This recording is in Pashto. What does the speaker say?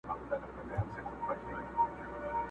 امیر ږغ کړه ویل ستا دي هم په یاد وي،